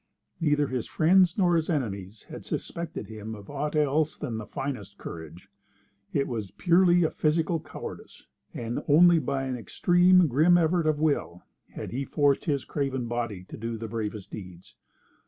Neither his friends nor his enemies had suspected him of aught else than the finest courage. It was purely a physical cowardice, and only by an extreme, grim effort of will had he forced his craven body to do the bravest deeds.